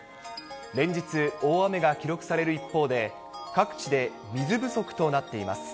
連日、大雨が記録される一方で、各地で水不足となっています。